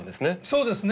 そうですね。